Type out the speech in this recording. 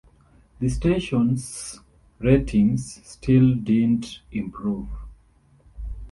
The station's ratings still didn't improve.